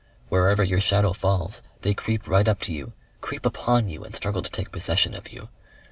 Wherever your shadow falls, they creep right up to you, creep upon you and struggle to take possession of you.